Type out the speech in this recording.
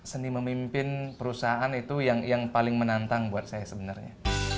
seni memimpin perusahaan itu yang paling menantang buat saya sebenarnya